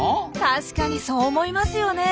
確かにそう思いますよね。